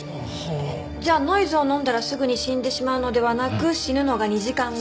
じゃあノイズを飲んだらすぐに死んでしまうのではなく死ぬのが２時間後。